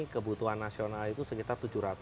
kebutuhan nasional itu sekitar